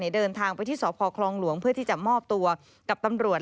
เดินทางไปที่สพคลองหลวงเพื่อที่จะมอบตัวกับตำรวจ